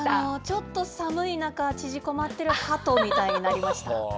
ちょっと寒い中縮こまってる鳩みたいになりました。